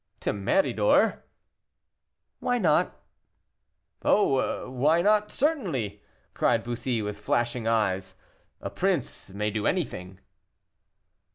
"To Méridor?" "Why not?" "Oh, why not, certainly," cried Bussy, with flashing eyes, "a prince may do anything."